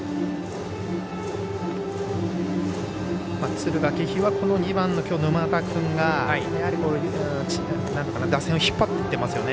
敦賀気比は２番の沼田君がやはり、打線を引っ張っていってますよね。